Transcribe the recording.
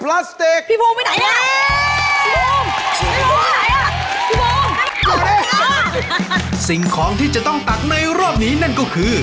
โอ้๊ยเป็นง่ะที่ใครรู้